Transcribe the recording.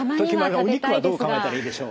お肉はどう考えたらいいでしょう？